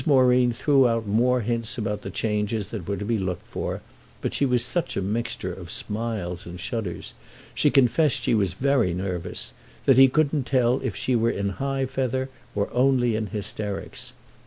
Moreen threw out more hints about the changes that were to be looked for, but she was such a mixture of smiles and shudders—she confessed she was very nervous—that he couldn't tell if she were in high feather or only in hysterics.